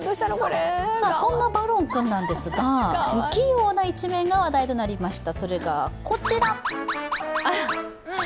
そんなバロン君ですが不器用な一面が話題となりました。